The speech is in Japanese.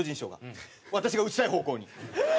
私が打ちたい方向に。